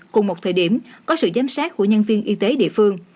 cùng một thời điểm có sự giám sát của nhân viên y tế địa phương